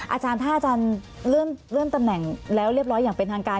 อาจารย์ถ้าอาจารย์เลื่อนตำแหน่งแล้วเรียบร้อยอย่างเป็นทางการ